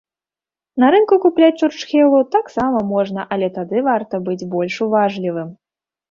На рынку купляць чурчхелу таксама можна, але тады варта быць больш уважлівым.